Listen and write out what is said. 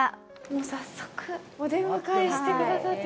もう早速、お出迎えしてくださって。